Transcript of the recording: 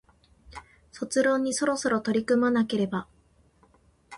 卒論にそろそろ取り組まなければ